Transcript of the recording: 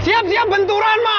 siap siap benturan ma